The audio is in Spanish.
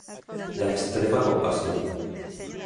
La extrema compasión.